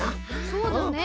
そうだね。